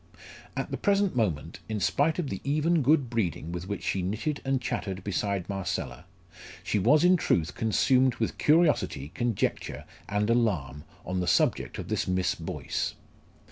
At the present moment, in spite of the even good breeding with which she knitted and chattered beside Marcella, she was in truth consumed with curiosity, conjecture, and alarm on the subject of this Miss Boyce.